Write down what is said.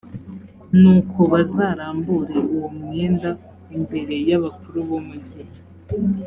nuko bazarambure uwo mwenda imbere y’abakuru b’umugi.